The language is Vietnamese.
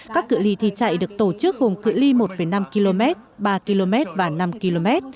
các cửa ly thi chạy được tổ chức gồm cửa ly một năm km ba km và năm km